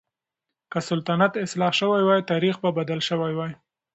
که سلطنت اصلاح شوی وای، تاريخ به بدل شوی وای.